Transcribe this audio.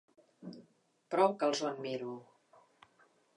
Prou que els ho admiro.